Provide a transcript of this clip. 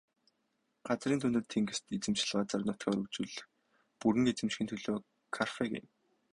Газрын дундад тэнгист эзэмшил газар нутгаа өргөжүүлж бүрэн эзэмшихийн төлөө Карфаген.